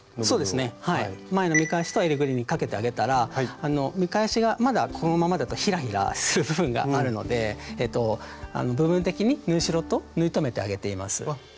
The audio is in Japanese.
そうですね前の見返しとえりぐりにかけてあげたら見返しがまだこのままだとひらひらする部分があるので部分的に縫い代と縫い留めてあげています。